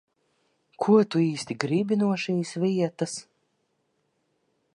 Ko tu īsti gribi no šīs vietas?